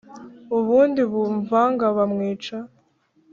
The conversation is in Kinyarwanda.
ubundi bumvaga ba mwica .